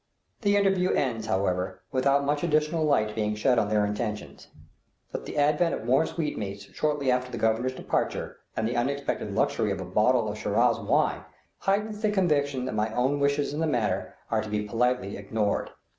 The interview ends, however, without much additional light being shed on their intentions; but the advent of more sweetmeats shortly after the Governor's departure, and the unexpected luxury of a bottle of Shiraz wine, heightens the conviction that my own wishes in the matter are to be politely ignored.